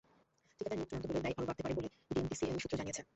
ঠিকাদার নিয়োগ চূড়ান্ত হলে ব্যয় আরও বাড়তে পারে বলে ডিএমটিসিএল সূত্র জানিয়েছে।